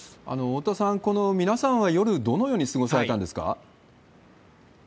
大田さん、皆さんは夜、どのように過ごされたんですか？